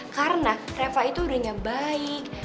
karena reva itu ringan baik